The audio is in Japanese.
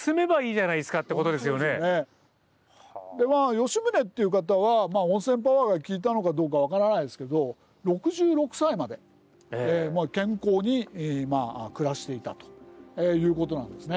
吉宗という方はまあ温泉パワーが効いたのかどうか分からないですけど６６歳まで健康に暮らしていたということなんですね。